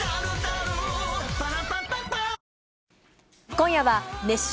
今夜は熱唱！